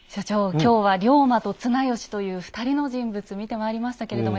今日は龍馬と綱吉という２人の人物見てまいりましたけれども。